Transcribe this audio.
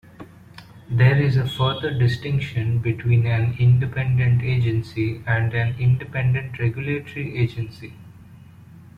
There is a further distinction between an independent agency and an independent "regulatory" agency.